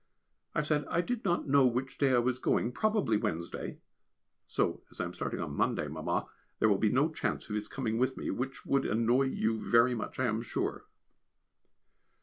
I said I did not know which day I was going, probably Wednesday, so as I am starting on Monday, Mamma, there will be no chance of his coming with me, which would annoy you very much I am sure.